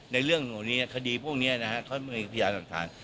ในเรื่องของการอยู่ในโลกโซเชียลพวกนี้เขามีพยานหลักฐาน